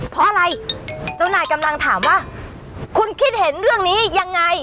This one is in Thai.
เพราะอะไรเจ้านายกำลังถามว่าคุณคิดเห็นเรื่องนี้ยังไง